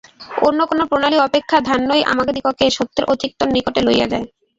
অন্য কোন প্রণালী অপেক্ষা ধ্যানই আমাদিগকে সত্যের অধিকতর নিকটে লইয়া যায়।